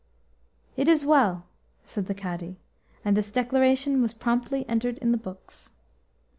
"It is well," said the Cadi, and this declaration was promptly entered in the books.